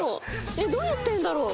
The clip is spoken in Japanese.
えっどうやってるんだろう？